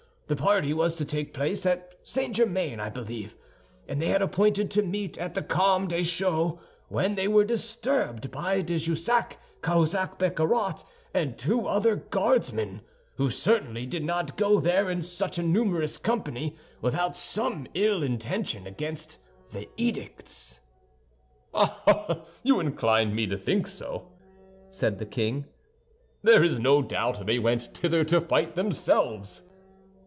The party was to take place at St. Germain, I believe, and they had appointed to meet at the Carmes Deschaux, when they were disturbed by de Jussac, Cahusac, Bicarat, and two other Guardsmen, who certainly did not go there in such a numerous company without some ill intention against the edicts." "Ah, ah! You incline me to think so," said the king. "There is no doubt they went thither to fight themselves."